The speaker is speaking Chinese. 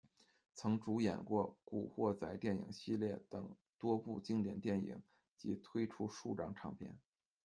曾主演过《古惑仔电影系列》等多部经典电影及推出数张唱片。